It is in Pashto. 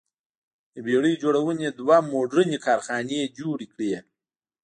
د بېړۍ جوړونې دوه موډرنې کارخانې جوړې کړې.